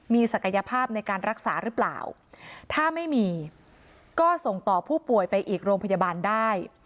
มีศักยภาพในการรักษาหรือเปล่าถ้าไม่มีก็ส่งต่อผู้ป่วยไปอีกโรงพยาบาลได้